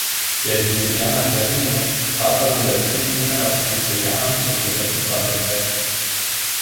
Der Sizilianer Ferrigno trat also letztlich nun einer von Sizilianern kontrollierten Bande bei.